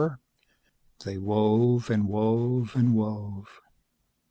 _ They wove and wove and wove.